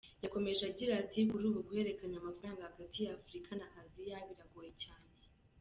Yakomeje agira ati “Kuri ubu guhererekanya amafaranga hagati ya Afurika na Aziya biragoye cyane.